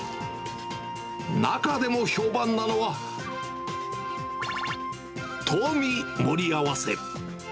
中でも評判なのは、頭身盛り合わせ。